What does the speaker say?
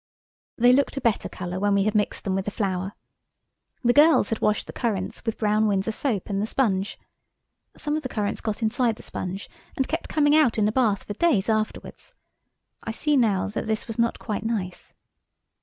They looked a better colour when we had mixed them with the flour. The girls had washed the currants with Brown Windsor soap and the sponge. Some of the currants got inside the sponge and kept coming out in the bath for days afterwards. I see now that this was not quite nice.